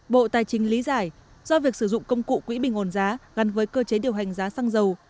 bộ tài chính lý giải do việc sử dụng công cụ quỹ bình ổn giá gắn với cơ chế điều hành giá xăng dầu